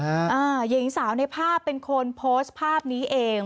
อ่าหญิงสาวในภาพเป็นคนโพสต์ภาพนี้เอง